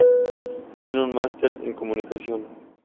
Tiene un máster en Comunicación.